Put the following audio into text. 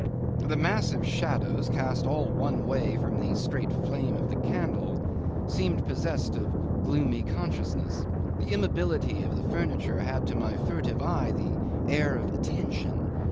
The massive shadows, cast all one way from the straight flame of the candle, seemed possessed of gloomy consciousness; the immobility of the furniture had to my furtive eye an air of attention.